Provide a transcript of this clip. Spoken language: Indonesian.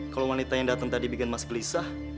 kalo wanita yang dateng tadi bikin mas pelisah